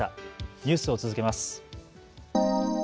ニュースを続けます。